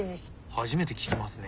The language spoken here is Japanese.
初めて聞きますね。